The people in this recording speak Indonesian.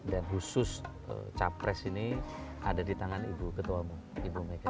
dan khusus capres ini ada di tangan ibu ketua umum ibu mega